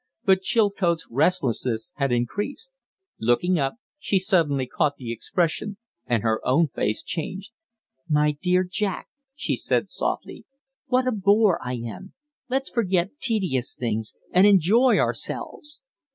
But Chilcote's restlessness had increased. Looking up, she suddenly caught the expression, and her own face changed. "My dear Jack," she said, softly, "what a bore I am! Let's forget tedious things and enjoy ourselves."